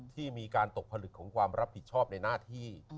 ที่มีการตกผลึกของความรับผิดชอบในหน้าที่